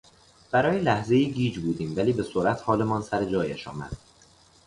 برای لحظهای گیج بودیم ولی به سرعت حالمان سرجایش آمد.